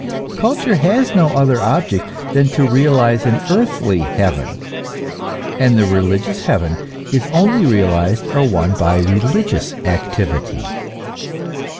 Culture has no other object than to realize an earthly heaven; and the religious heaven is only realized or won by religious activity.